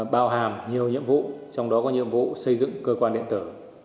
bao hàm nhiều nhiệm vụ trong đó có nhiệm vụ xây dựng cơ quan điện tử